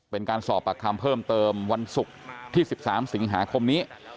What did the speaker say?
เป็นการสอบปากคำเพิ่มเติมวันศุกร์ที่๑๓สิงหาคมนี้